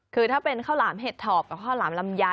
คือถ้าเป็นข้าวหลามเห็ดถอบกับข้าวหลามลำไย